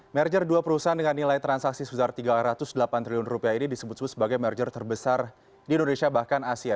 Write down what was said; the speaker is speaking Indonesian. merger dua perusahaan dengan nilai transaksi sebesar tiga ratus delapan triliun rupiah ini disebut sebut sebagai merger terbesar di indonesia bahkan asia